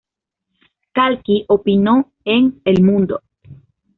Calki opinó en "El Mundo":.